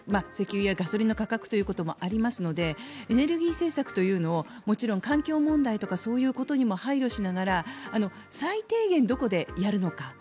石油やガソリンの価格ということもありますのでエネルギー政策というのをもちろん環境問題とかそういうことにも配慮しながら最低限どこでやるのか